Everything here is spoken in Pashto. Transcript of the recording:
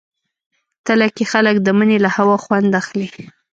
تله کې خلک د مني له هوا خوند اخلي.